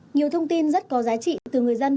nhiều thông tin rất có giá trị từ người dân